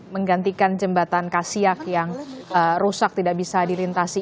menggantikan jembatan kasiak yang rusak tidak bisa dilintasi